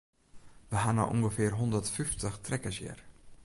We ha no ûngefear hondert fyftich trekkers hjir.